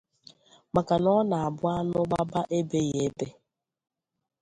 maka na ọ na-abụ anụ gbaba ebeghị ebe